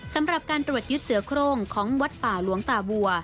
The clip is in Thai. สำหรับการตรวจยึดเสือโครงของวัดป่าหลวงตาบัว